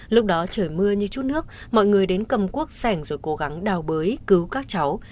lúc đó trời mưa như chút nước mọi người đến cầm cuốc sẻng rồi cố gắng đào bới cứu các cháu